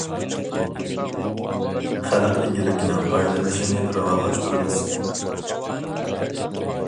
خەلق ئىگىلىكىنىڭ ئايلىنىشىنى راۋانلاشتۇرىمىز.